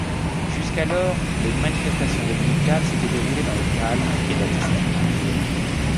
Jusqu'alors, les manifestations dominicales s'étaient déroulées dans le calme et la discipline.